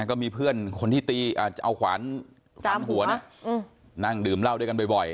ก็มีเพื่อนคนที่ตีเอาขวานฟันหัวนั่งดื่มเหล้าด้วยกันบ่อย